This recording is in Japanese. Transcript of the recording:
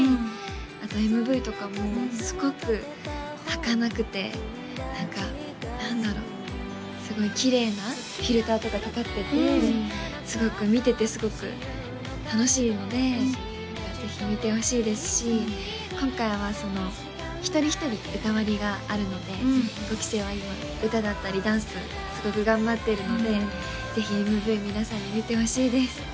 あとＭＶとかもすごくはかなくて何か何だろうすごいきれいなフィルターとかかかってて見ててすごく楽しいのでぜひ見てほしいですし今回は一人一人歌割りがあるので５期生は今歌だったりダンスすごく頑張ってるのでぜひＭＶ皆さんに見てほしいです